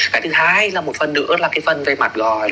cái thứ hai là một phần nữa là cái phần về mặt